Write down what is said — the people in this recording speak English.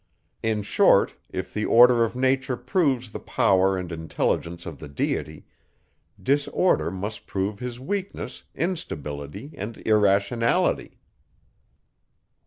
In short, if the order of nature proves the power and intelligence of the Deity, disorder must prove his weakness, instability, and irrationality.